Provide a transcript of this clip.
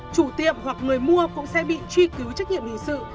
chủ tiệm hoặc người mua cũng sẽ bị truy cứu trách nhiệm hình sự